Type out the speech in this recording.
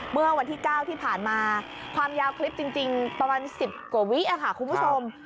เมื่อวันที่๙ที่ผ่านมาความยาวคลิปจริงประมาณ๑๐กว่าวิค่ะคุณผู้ชม